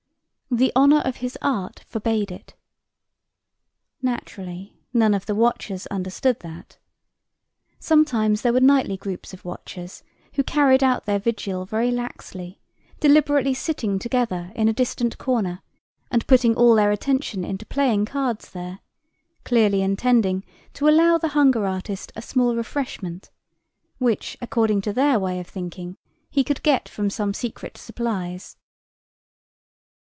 The honour of his art forbade it. Naturally, none of the watchers understood that. Sometimes there were nightly groups of watchers who carried out their vigil very laxly, deliberately sitting together in a distant corner and putting all their attention into playing cards there, clearly intending to allow the hunger artist a small refreshment, which, according to their way of thinking, he could get from some secret supplies.